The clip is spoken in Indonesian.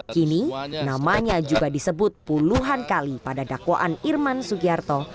kini namanya juga disebut puluhan kali pada dakwaan irman sugiarto